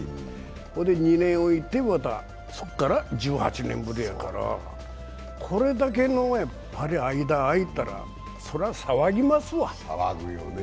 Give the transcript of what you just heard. ここで２年置いて、またそこから１８年ぶりやから、これだけの間、空いたら、そら、騒ぎますわ。